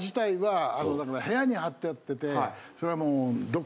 部屋に貼ってあってそれはもう。